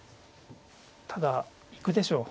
ただ行くでしょう。